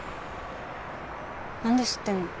なんで知ってんの？